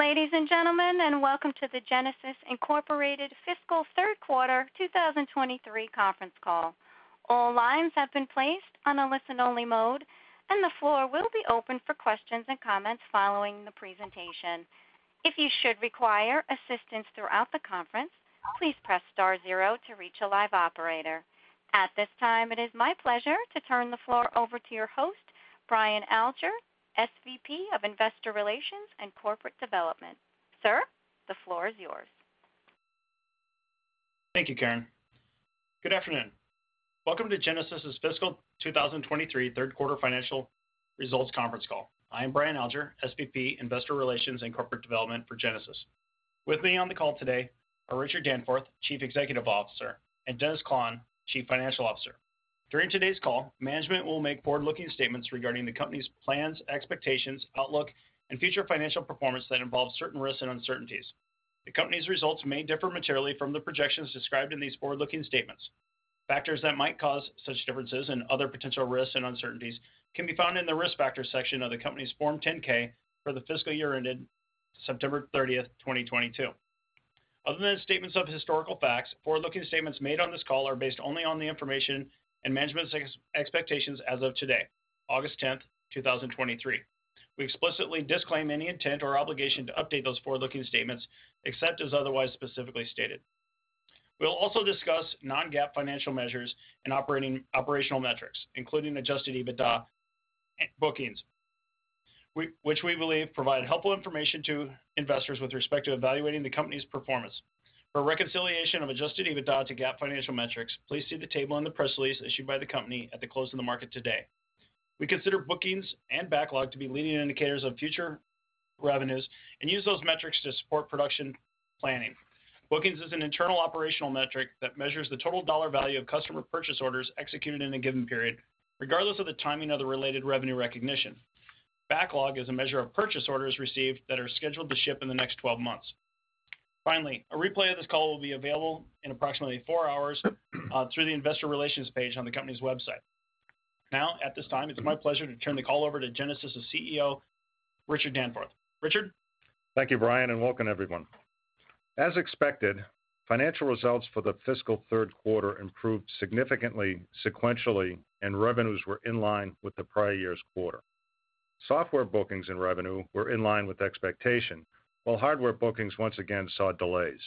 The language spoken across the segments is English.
Good day, ladies and gentlemen, welcome to the Genasys Incorporated Fiscal Third Quarter 2023 conference call. All lines have been placed on a listen-only mode, and the floor will be open for questions and comments following the presentation. If you should require assistance throughout the conference, please press star zero to reach a live operator. At this time, it is my pleasure to turn the floor over to your host, Brian Alger, SVP of Investor Relations and Corporate Development. Sir, the floor is yours. Thank you, Karen. Good afternoon. Welcome to Genasys's Fiscal 2023 Third Quarter Financial Results conference call. I am Brian Alger, SVP, Investor Relations and Corporate Development for Genasys. With me on the call today are Richard Danforth, Chief Executive Officer, and Dennis Klahn, Chief Financial Officer. During today's call, management will make forward-looking statements regarding the company's plans, expectations, outlook, and future financial performance that involve certain risks and uncertainties. The company's results may differ materially from the projections described in these forward-looking statements. Factors that might cause such differences and other potential risks and uncertainties can be found in the Risk Factors section of the company's Form 10-K for the fiscal year ended September 30, 2022. Other than statements of historical facts, forward-looking statements made on this call are based only on the information and management expectations as of today, August 10, 2023. We explicitly disclaim any intent or obligation to update those forward-looking statements, except as otherwise specifically stated. We'll also discuss non-GAAP financial measures and operational metrics, including adjusted EBITDA and bookings, which we believe provide helpful information to investors with respect to evaluating the company's performance. For reconciliation of adjusted EBITDA to GAAP financial metrics, please see the table on the press release issued by the company at the close of the market today. We consider bookings and backlog to be leading indicators of future revenues and use those metrics to support production planning. Bookings is an internal operational metric that measures the total dollar value of customer purchase orders executed in a given period, regardless of the timing of the related revenue recognition. Backlog is a measure of purchase orders received that are scheduled to ship in the next 12 months. Finally, a replay of this call will be available in approximately four hours, through the investor relations page on the company's website. Now, at this time, it's my pleasure to turn the call over to Genasys's CEO, Richard Danforth. Richard? Thank you, Brian, and welcome everyone. As expected, financial results for the fiscal third quarter improved significantly, sequentially, and revenues were in line with the prior year's quarter. Software bookings and revenue were in line with expectation, while hardware bookings once again saw delays.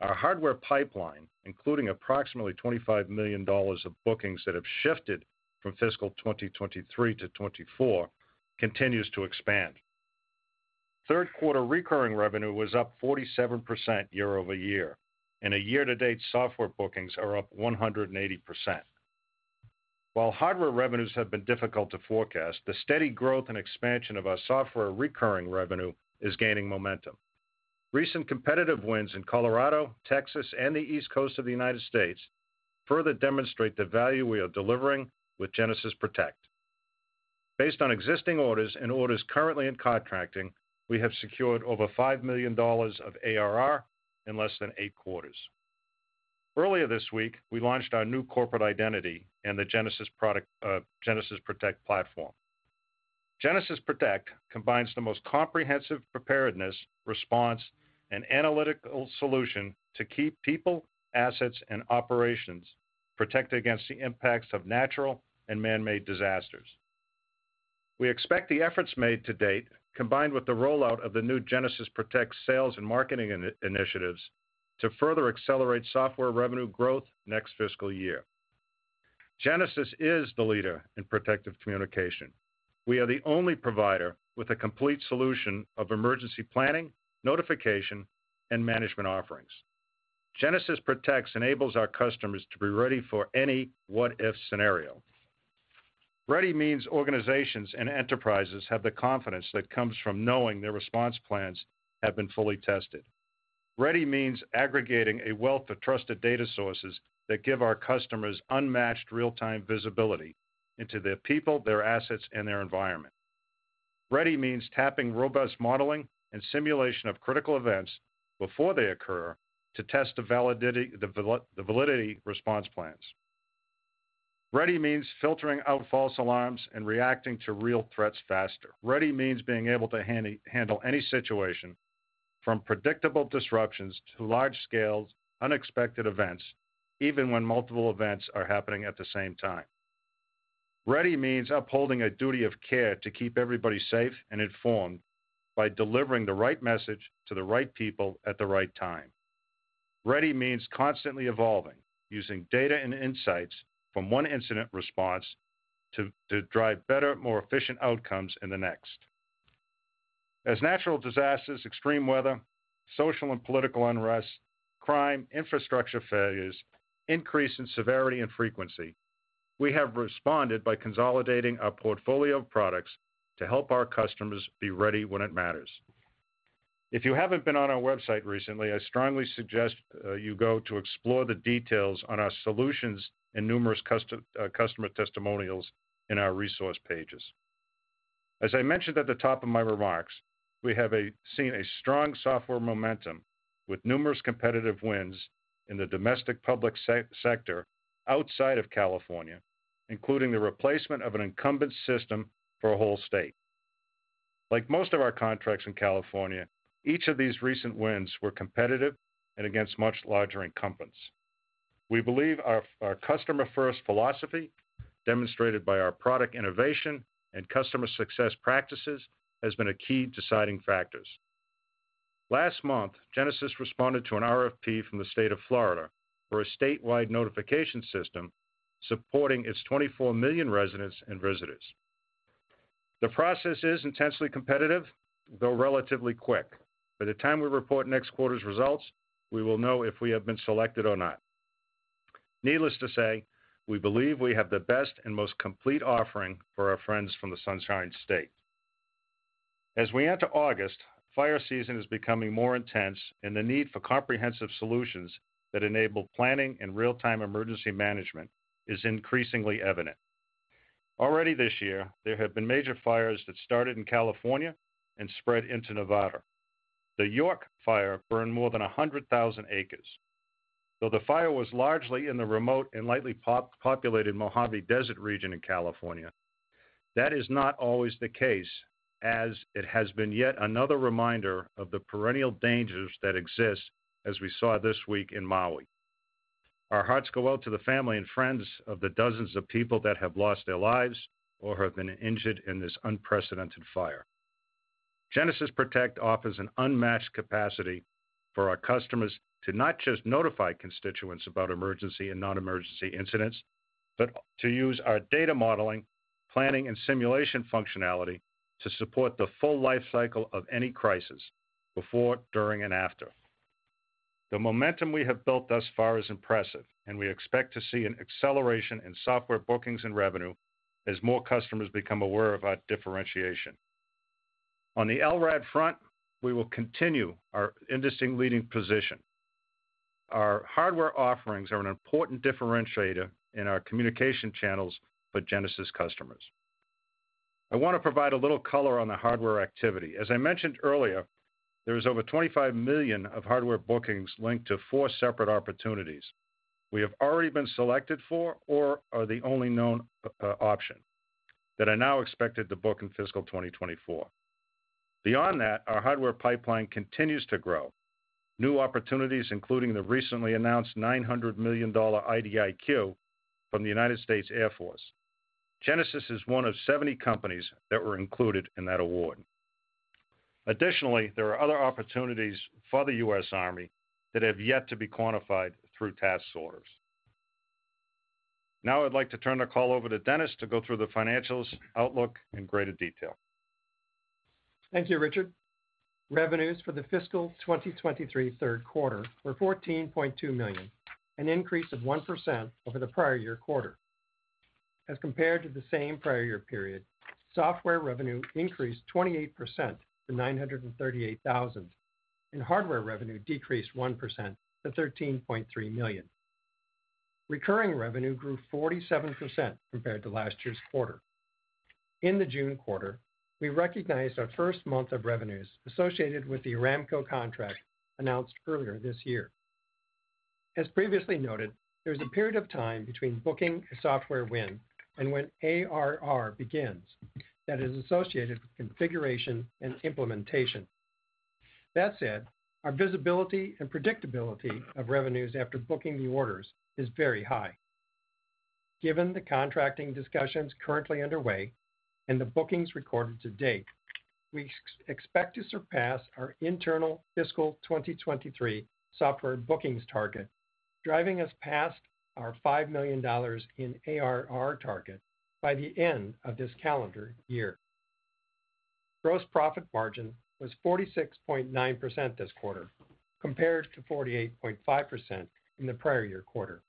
Our hardware pipeline, including approximately $25 million of bookings that have shifted from fiscal 2023 to 2024, continues to expand. Third quarter recurring revenue was up 47% year-over-year, and a year-to-date software bookings are up 180%. While hardware revenues have been difficult to forecast, the steady growth and expansion of our software recurring revenue is gaining momentum. Recent competitive wins in Colorado, Texas, and the East Coast of the United States further demonstrate the value we are delivering with Genasys Protect. Based on existing orders and orders currently in contracting, we have secured over $5 million of ARR in less than eight quarters. Earlier this week, we launched our new corporate identity and the Genasys Protect platform. Genasys Protect combines the most comprehensive preparedness, response, and analytical solution to keep people, assets, and operations protected against the impacts of natural and man-made disasters. We expect the efforts made to date, combined with the rollout of the new Genasys Protect sales and marketing initiatives, to further accelerate software revenue growth next fiscal year. Genasys is the leader in protective communication. We are the only provider with a complete solution of emergency planning, notification, and management offerings. Genasys Protect enables our customers to be ready for any what-if scenario. Ready means organizations and enterprises have the confidence that comes from knowing their response plans have been fully tested. Ready means aggregating a wealth of trusted data sources that give our customers unmatched real-time visibility into their people, their assets, and their environment. Ready means tapping robust modeling and simulation of critical events before they occur to test the validity, the validity response plans. Ready means filtering out false alarms and reacting to real threats faster. Ready means being able to handle any situation from predictable disruptions to large-scale, unexpected events, even when multiple events are happening at the same time. Ready means upholding a duty of care to keep everybody safe and informed by delivering the right message to the right people at the right time. Ready means constantly evolving, using data and insights from one incident response to drive better, more efficient outcomes in the next. As natural disasters, extreme weather, social and political unrest, crime, infrastructure failures increase in severity and frequency, we have responded by consolidating our portfolio of products to help our customers be ready when it matters. If you haven't been on our website recently, I strongly suggest you go to explore the details on our solutions and numerous customer testimonials in our resource pages. As I mentioned at the top of my remarks, we have a seen a strong software momentum with numerous competitive wins in the domestic public sector outside of California.... including the replacement of an incumbent system for a whole state. Like most of our contracts in California, each of these recent wins were competitive and against much larger incumbents. We believe our customer-first philosophy, demonstrated by our product innovation and customer success practices, has been a key deciding factors. Last month, Genasys responded to an RFP from the state of Florida for a statewide notification system supporting its 24 million residents and visitors. The process is intensely competitive, though relatively quick. By the time we report next quarter's results, we will know if we have been selected or not. Needless to say, we believe we have the best and most complete offering for our friends from the Sunshine State. As we enter August, fire season is becoming more intense, and the need for comprehensive solutions that enable planning and real-time emergency management is increasingly evident. Already this year, there have been major fires that started in California and spread into Nevada. The York Fire burned more than 100,000 acres. Though the fire was largely in the remote and lightly populated Mojave Desert region in California, that is not always the case, as it has been yet another reminder of the perennial dangers that exist as we saw this week in Maui. Our hearts go out to the family and friends of the dozens of people that have lost their lives or have been injured in this unprecedented fire. Genasys Protect offers an unmatched capacity for our customers to not just notify constituents about emergency and non-emergency incidents, but to use our data modeling, planning, and simulation functionality to support the full life cycle of any crisis before, during, and after. The momentum we have built thus far is impressive, and we expect to see an acceleration in software bookings and revenue as more customers become aware of our differentiation. On the LRAD front, we will continue our industry-leading position. Our hardware offerings are an important differentiator in our communication channels for Genasys customers. I want to provide a little color on the hardware activity. As I mentioned earlier, there is over $25 million of hardware bookings linked to four separate opportunities we have already been selected for or are the only known option, that are now expected to book in fiscal 2024. Beyond that, our hardware pipeline continues to grow. New opportunities, including the recently announced $900 million IDIQ from the United States Air Force. Genasys is one of 70 companies that were included in that award. Additionally, there are other opportunities for the U.S. Army that have yet to be quantified through task orders. Now, I'd like to turn the call over to Dennis to go through the financials outlook in greater detail. Thank you, Richard. Revenues for the fiscal 2023 third quarter were $14.2 million, an increase of 1% over the prior year quarter. As compared to the same prior year period, software revenue increased 28% to $938,000, and hardware revenue decreased 1% to $13.3 million. Recurring revenue grew 47% compared to last year's quarter. In the June quarter, we recognized our first month of revenues associated with the Aramco contract announced earlier this year. As previously noted, there is a period of time between booking a software win and when ARR begins that is associated with configuration and implementation. That said, our visibility and predictability of revenues after booking the orders is very high. Given the contracting discussions currently underway and the bookings recorded to date, we expect to surpass our internal fiscal 2023 software bookings target, driving us past our $5 million in ARR target by the end of this calendar year. Gross profit margin was 46.9% this quarter, compared to 48.5% in the prior year quarter.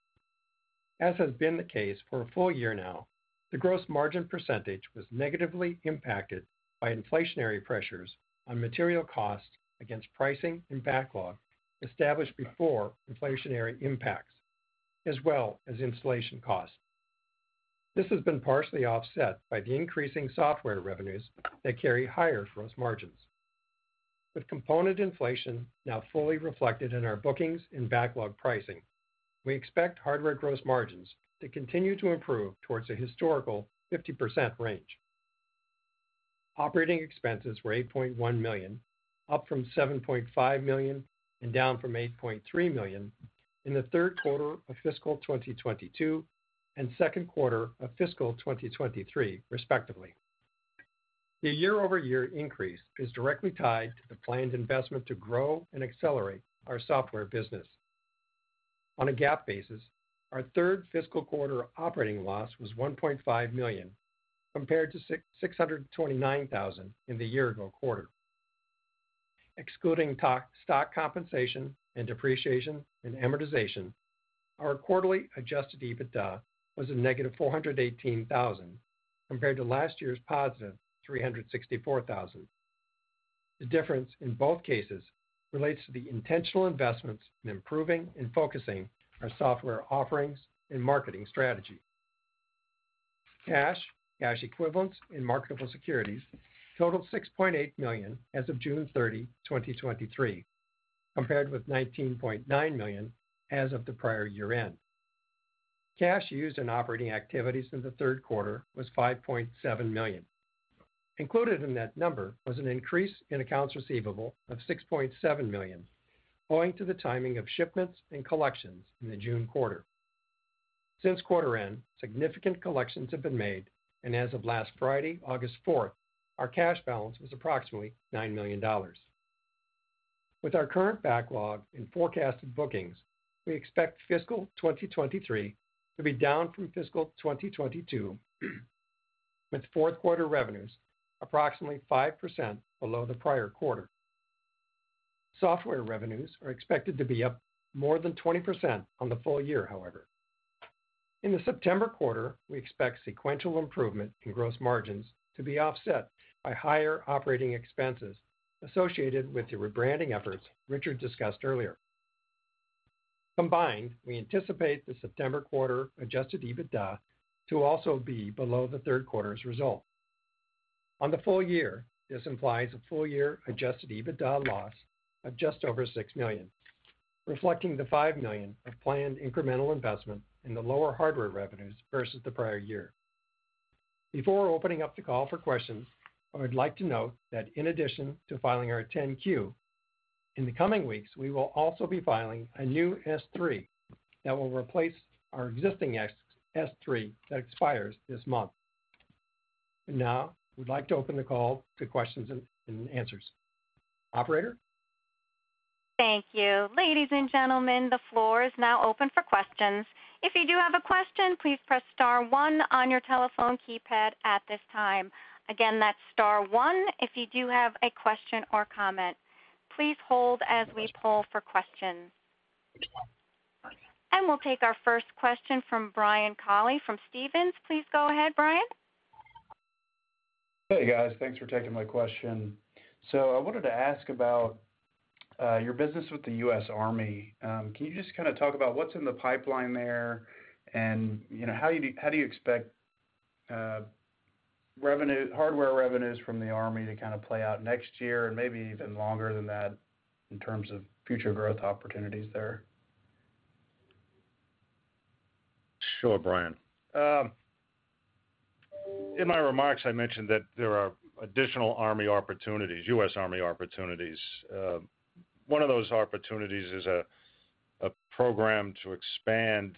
As has been the case for a full year now, the gross margin percentage was negatively impacted by inflationary pressures on material costs against pricing and backlog established before inflationary impacts, as well as installation costs. This has been partially offset by the increasing software revenues that carry higher gross margins. With component inflation now fully reflected in our bookings and backlog pricing, we expect hardware gross margins to continue to improve towards a historical 50% range. Operating expenses were $8.1 million, up from $7.5 million and down from $8.3 million in the third quarter of fiscal 2022 and second quarter of fiscal 2023, respectively. The year-over-year increase is directly tied to the planned investment to grow and accelerate our software business. On a GAAP basis, our third fiscal quarter operating loss was $1.5 million, compared to $629,000 in the year-ago quarter. Excluding stock compensation and depreciation and amortization, our quarterly adjusted EBITDA was a negative $418,000, compared to last year's positive $364,000. The difference in both cases relates to the intentional investments in improving and focusing our software offerings and marketing strategy. Cash, cash equivalents, and marketable securities totaled $6.8 million as of June 30, 2023.... compared with $19.9 million as of the prior year-end. Cash used in operating activities in the third quarter was $5.7 million. Included in that number was an increase in accounts receivable of $6.7 million, owing to the timing of shipments and collections in the June quarter. Since quarter-end, significant collections have been made, and as of last Friday, August 4th, our cash balance was approximately $9 million. With our current backlog in forecasted bookings, we expect fiscal 2023 to be down from fiscal 2022, with fourth quarter revenues approximately 5% below the prior quarter. Software revenues are expected to be up more than 20% on the full year, however. In the September quarter, we expect sequential improvement in gross margins to be offset by higher operating expenses associated with the rebranding efforts Richard discussed earlier. Combined, we anticipate the September quarter adjusted EBITDA to also be below the third quarter's result. On the full year, this implies a full-year adjusted EBITDA loss of just over $6 million, reflecting the $5 million of planned incremental investment in the lower hardware revenues versus the prior year. Before opening up the call for questions, I would like to note that in addition to filing our Form 10-Q, in the coming weeks, we will also be filing a new S-3 that will replace our existing S-3 that expires this month. We'd like to open the call to questions and answers. Operator? Thank you. Ladies and gentlemen, the floor is now open for questions. If you do have a question, please press star one on your telephone keypad at this time. Again, that's star one if you do have a question or comment. Please hold as we poll for questions. We'll take our first question from Brian Colley from Stephens. Please go ahead, Brian. Hey, guys. Thanks for taking my question. I wanted to ask about your business with the US Army. Can you just kind of talk about what's in the pipeline there and, you know, how do you, how do you expect revenue -- hardware revenues from the Army to kind of play out next year and maybe even longer than that in terms of future growth opportunities there? Sure, Brian. In my remarks, I mentioned that there are additional Army opportunities, U.S Army opportunities. One of those opportunities is a program to expand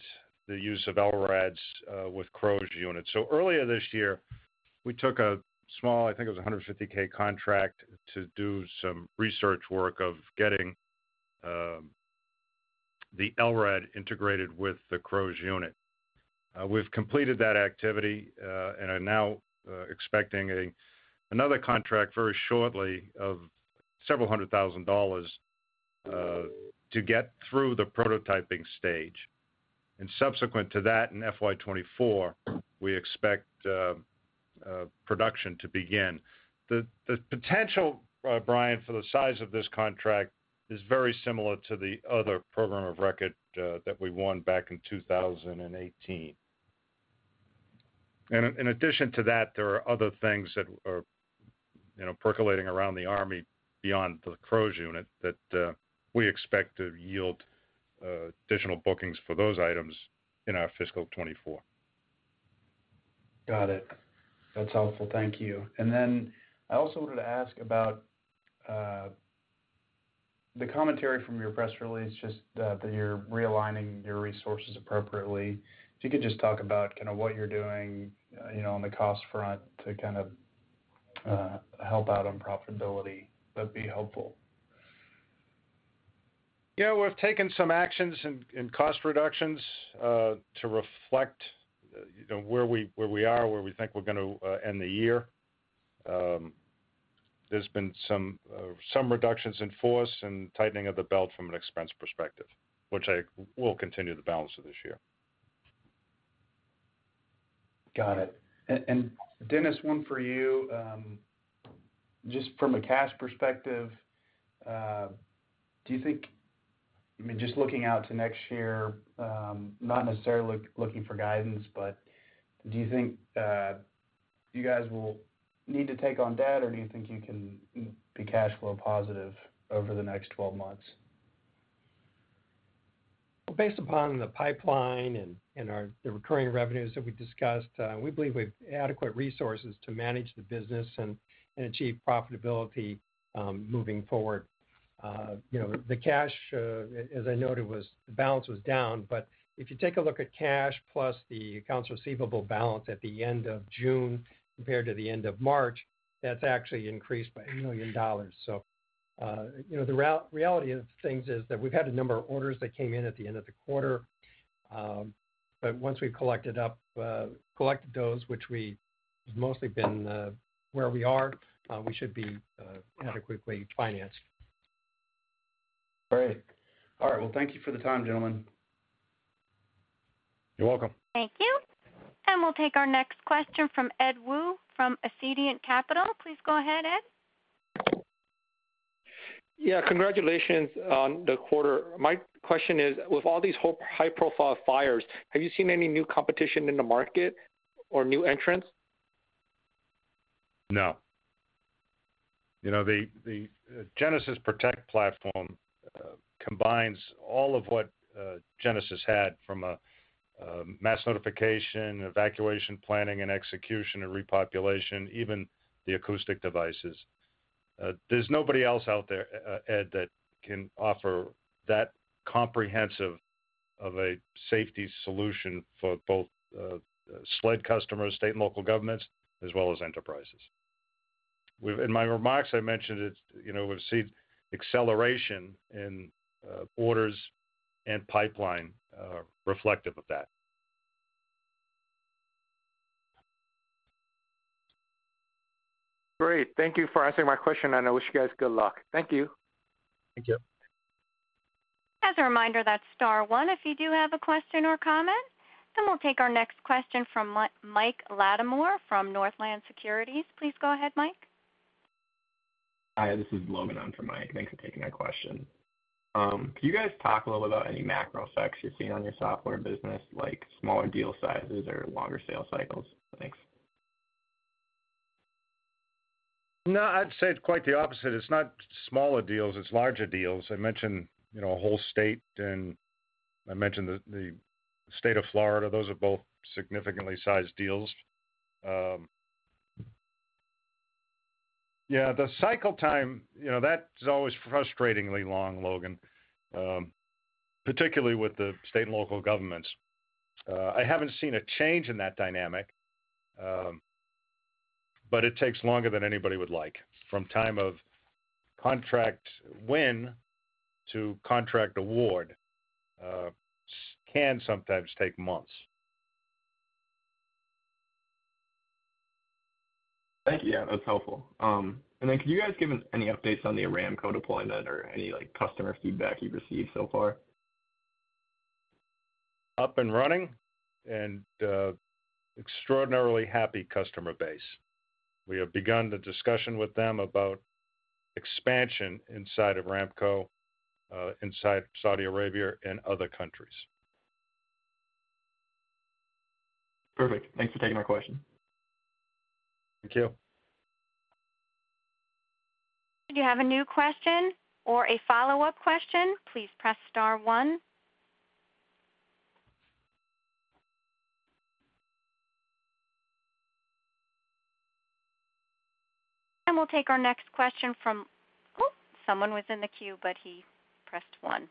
the use of LRADs with CROWS units. Earlier this year, we took a small, I think it was a $150K contract, to do some research work of getting the LRAD integrated with the CROWS unit. We've completed that activity and are now expecting another contract very shortly of several hundred thousand dollars to get through the prototyping stage. Subsequent to that, in FY 2024, we expect production to begin. The potential, Brian, for the size of this contract is very similar to the other program of record that we won back in 2018. In addition to that, there are other things that are, you know, percolating around the Army beyond the CROWS unit that, we expect to yield, additional bookings for those items in our fiscal 2024. Got it. That's helpful. Thank you. Then I also wanted to ask about the commentary from your press release, that you're realigning your resources appropriately. If you could talk about what you're doing, you know, on the cost front to help out on profitability, that'd be helpful. Yeah, we've taken some actions in, in cost reductions, to reflect, you know, where we, where we are, where we think we're gonna end the year. There's been some reductions in force and tightening of the belt from an expense perspective, which I- we'll continue the balance of this year. Got it. And Dennis, one for you. Just from a cash perspective, do you think, I mean, just looking out to next year, not necessarily looking for guidance, but do you think you guys will need to take on debt, or do you think you can be cash flow positive over the next 12 months? Well, based upon the pipeline and our, the recurring revenues that we discussed, we believe we've adequate resources to manage the business and achieve profitability moving forward. You know, the cash, as I noted, was the balance was down, if you take a look at cash plus the accounts receivable balance at the end of June compared to the end of March, that's actually increased by $1 million. You know, the reality of things is that we've had a number of orders that came in at the end of the quarter. Once we've collected up, collected those, which we have mostly been, where we are, we should be adequately financed. Great. All right. Well, thank you for the time, gentlemen. You're welcome. Thank you. We'll take our next question from Ed Woo from Ascendiant Capital. Please go ahead, Ed. Yeah, congratulations on the quarter. My question is, with all these high-profile fires, have you seen any new competition in the market or new entrants? No. You know, the, the Genasys Protect platform combines all of what Genasys had from a mass notification, evacuation planning and execution and repopulation, even the acoustic devices. There's nobody else out there, Ed, that can offer that comprehensive of a safety solution for both SLED customers, state and local governments, as well as enterprises. In my remarks, I mentioned it we've seen acceleration in orders and pipeline reflective of that. Great. Thank you for answering my question, and I wish you guys good luck. Thank you. Thank you. As a reminder, that's star one if you do have a question or comment. We'll take our next question from Michael Latimore from Northland Securities. Please go ahead, Mike. Hi, this is Logan on for Mike. Thanks for taking my question. Can you guys talk a little about any macro effects you're seeing on your software business, like smaller deal sizes or longer sales cycles? Thanks. No, I'd say it's quite the opposite. It's not smaller deals, it's larger deals. I mentioned, you know, a whole state, and I mentioned the, the state of Florida. Those are both significantly sized deals. Yeah, the cycle time that's always frustratingly long, Logan, particularly with the state and local governments. I haven't seen a change in that dynamic, but it takes longer than anybody would like. From time of contract win to contract award, can sometimes take months. Thank you. Yeah, that's helpful. Then can you guys give us any updates on the Aramco deployment or any, like, customer feedback you've received so far? Up and running, extraordinarily happy customer base. We have begun the discussion with them about expansion inside of Aramco, inside Saudi Arabia and other countries. Perfect. Thanks for taking my question. Thank you. If you have a new question or a follow-up question, please press star one. We'll take our next question from... Ooh! Someone was in the queue, but he pressed one.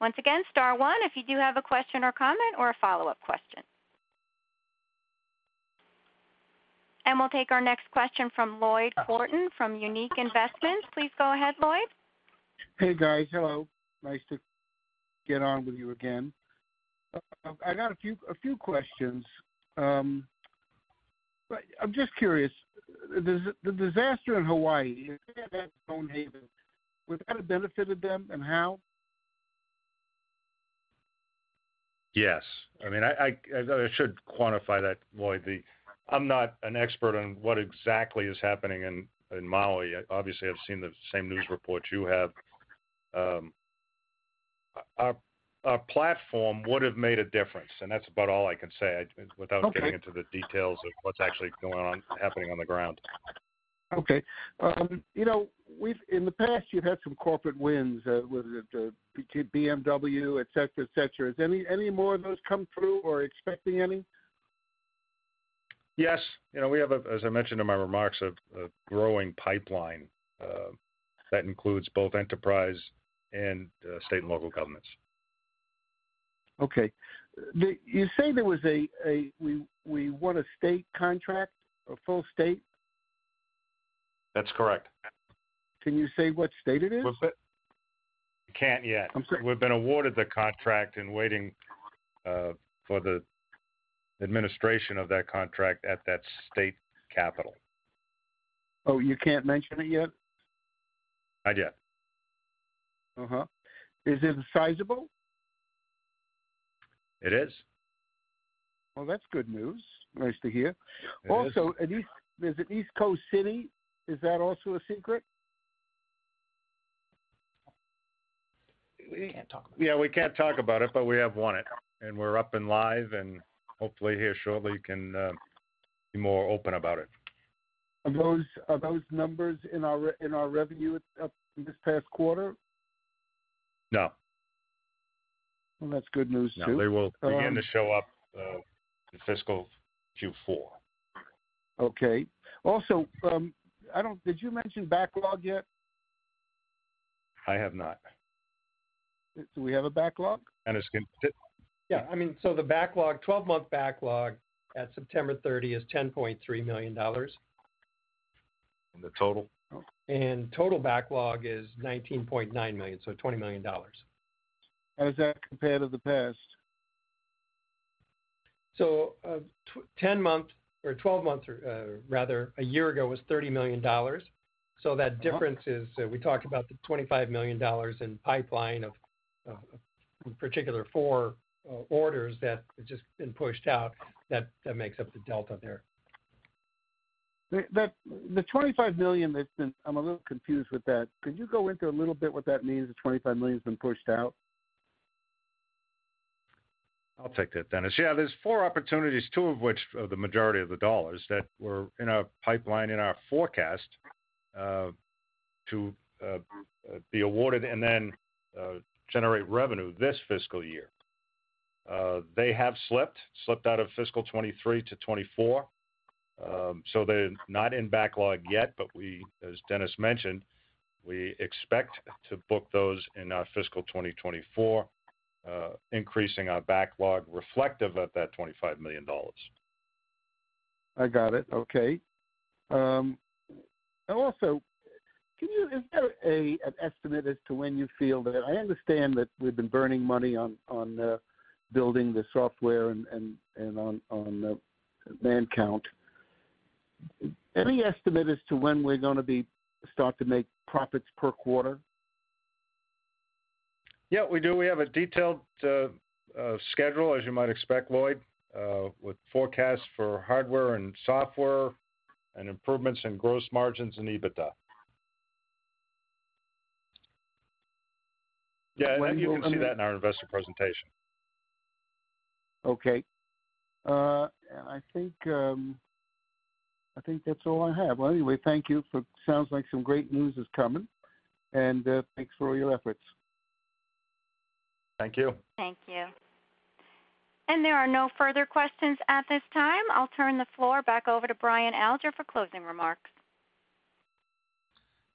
Once again, star one if you do have a question or comment or a follow-up question. We'll take our next question from Lloyd Korten from Unique Investments. Please go ahead, Lloyd. Hey, guys. Hello. Nice to get on with you again. I got a few, a few questions. I'm just curious, the disaster in Hawaii, they had that Zonehaven. Would that have benefited them, and how? Yes. I mean, I should quantify that, Lloyd. The... I'm not an expert on what exactly is happening in, in Maui. Obviously, I've seen the same news reports you have. Our, our platform would have made a difference, and that's about all I can say without- Okay. getting into the details of what's actually going on, happening on the ground. Okay. you know, we've in the past, you've had some corporate wins, whether it was BMW, et cetera, et cetera. Has any, any more of those come through or expecting any? Yes. We have as I mentioned in my remarks, a growing pipeline that includes both enterprise and state and local governments. Okay. You say there was a we won a state contract, a full state? That's correct. Can you say what state it is? We can't yet. I'm sorry. We've been awarded the contract and waiting for the administration of that contract at that state capital. Oh, you can't mention it yet? Not yet. Uh-huh. Is it sizable? It is. Well, that's good news. Nice to hear. It is. There's an East Coast city. Is that also a secret? We can't talk about it. Yeah, we can't talk about it, but we have won it, and we're up and live, and hopefully, here shortly, we can be more open about it. Are those, are those numbers in our in our revenue up in this past quarter? No. Well, that's good news, too. No, they will begin to show up in fiscal Q4. Okay. Also, I don't... Did you mention backlog yet? I have not. Do we have a backlog? Dennis? Yeah. I mean, the backlog, 12-month backlog at September 30 is $10.3 million. The total? Total backlog is $19.9 million, so $20 million. How does that compare to the past? 10-month, or 12-month, rather, a year ago, was $30 million. Uh-huh. That difference is, we talked about the $25 million in pipeline of, in particular, 4 orders that have just been pushed out, that, that makes up the delta there. The $25 million that's been, I'm a little confused with that. Could you go into a little bit what that means, the $25 million's been pushed out? I'll take that, Dennis. Yeah, there's four opportunities, two of which are the majority of the dollars that were in our pipeline, in our forecast, to be awarded and then generate revenue this fiscal year. They have slipped, slipped out of fiscal 2023 to 2024. They're not in backlog yet, but we, as Dennis mentioned, we expect to book those in our fiscal 2024, increasing our backlog reflective of that $25 million. I got it. Okay. Also, can you... Is there a, an estimate as to when you feel that... I understand that we've been burning money on, on, building the software and, and, and on, on the man count. Any estimate as to when we're gonna be start to make profits per quarter? Yeah, we do. We have a detailed schedule, as you might expect, Lloyd, with forecasts for hardware and software and improvements in gross margins and EBITDA. Yeah, when will we? Yeah, you can see that in our investor presentation. Okay. I think, I think that's all I have. Well, anyway, thank you. For sounds like some great news is coming, and thanks for all your efforts. Thank you. Thank you. There are no further questions at this time. I'll turn the floor back over to Brian Alger for closing remarks.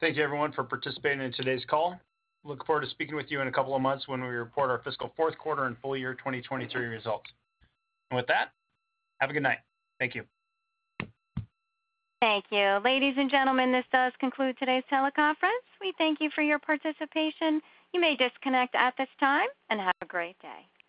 Thank you, everyone, for participating in today's call. Look forward to speaking with you in a couple of months when we report our fiscal fourth quarter and full year 2023 results. With that, have a good night. Thank you. Thank you. Ladies and gentlemen, this does conclude today's teleconference. We thank you for your participation. You may disconnect at this time, and have a great day.